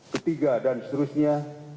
ketiga dan seterusnya